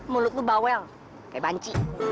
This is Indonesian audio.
mulut lu bawel kayak banci